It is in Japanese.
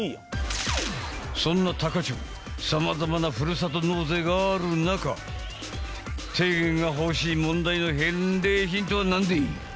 そんな多可町様々なふるさと納税がある中提言が欲しい問題の返礼品とはなんでい？